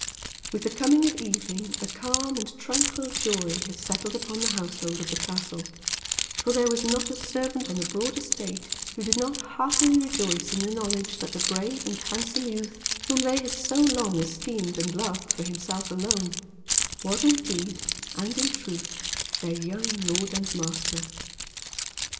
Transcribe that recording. With the coming of evening a calm and tranquil joy had settled upon the household of the castle; for there was not a servant on the broad estate who did not heartily rejoice in the knowledge that the brave and handsome youth, whom they had so long esteemed and loved for himself alone, was indeed and in truth their young lord and master.